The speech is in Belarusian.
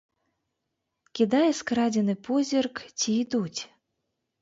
Кідае скрадзены позірк, ці ідуць.